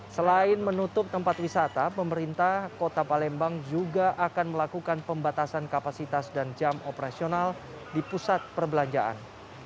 selain menutup tempat wisata pemerintah kota palembang juga akan melakukan pembatasan kapasitas dan jam operasional di pusat perbelanjaan